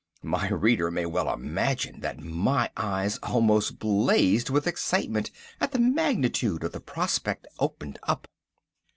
My reader may well imagine that my eyes almost blazed with excitement at the magnitude of the prospect opened up.